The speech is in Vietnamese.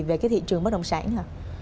về cái thị trường bất đồng sản hả